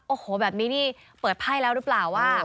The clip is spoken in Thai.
โอ้โหแบบนี้นี่เปิดไพ่แล้วหรือเปล่าว่า